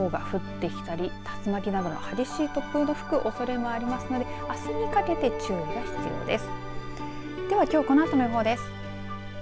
また、ひょうが降ってきたり竜巻などの激しい突風が吹くおそれもありますのであすにかけて注意が必要です。